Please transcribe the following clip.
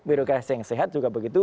birokrasi yang sehat juga begitu